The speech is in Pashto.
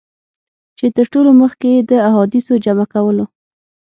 چي تر ټولو مخکي یې د احادیثو جمع کولو.